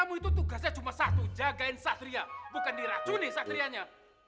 kamu itu tugasnya cuma satu jagain satria bukan diracuni satrianya